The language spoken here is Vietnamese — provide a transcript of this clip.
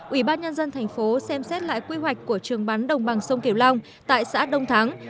ủy ban nhân dân thành phố xem xét lại quy hoạch của trường bắn đồng bằng sông kiểu long tại xã đông thắng